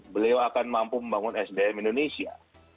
beliau akan mampu membangun sdm indonesia